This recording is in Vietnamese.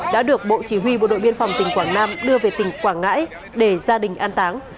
đã được bộ chỉ huy bộ đội biên phòng tỉnh quảng nam đưa về tỉnh quảng ngãi để gia đình an táng